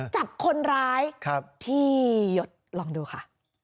จับคนร้ายที่หยดลองดูค่ะ